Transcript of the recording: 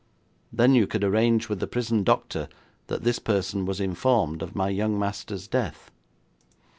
Then you could arrange with the prison doctor that this person was informed of my young master's death.'